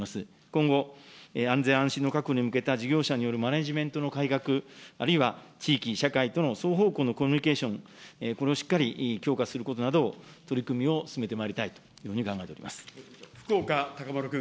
今後、安全安心の確保に向けた事業者によるマネジメントの改革、あるいは地域、社会との双方向のコミュニケーション、これをしっかり強化することなど、取り組みを進めてまいりたいとい福岡資麿君。